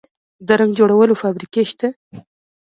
د رنګ جوړولو فابریکې شته؟